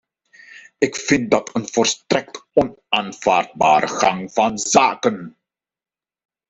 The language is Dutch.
Ik vind dat een volstrekt onaanvaardbare gang van zaken!